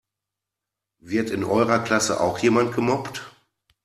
Wird in eurer Klasse auch jemand gemobbt?